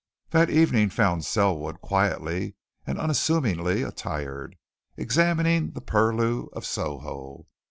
That evening found Selwood, quietly and unassumingly attired, examining the purlieus of Soho.